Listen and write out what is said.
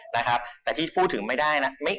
แต่เป็นเรื่องก่อนผู้ถึงไม่ได้นะ